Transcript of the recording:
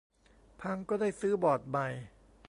พังก็ได้ซื้อบอร์ดใหม่